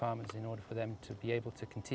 agar mereka bisa terus mengembang produknya